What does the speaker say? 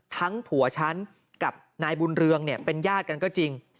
ผัวฉันกับนายบุญเรืองเนี่ยเป็นญาติกันก็จริง